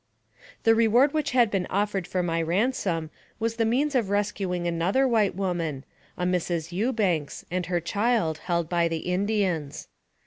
The reward which had been offered for my ransom was the means of rescuing another white woman, a Mrs. Ewbanks, and her child, held by the Indians.